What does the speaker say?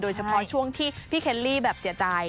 เฉพาะช่วงที่พี่เคลลี่แบบเสียใจ